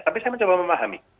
tapi saya mencoba memahami